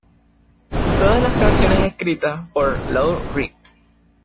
Todas las canciones escritas por Lou Reed.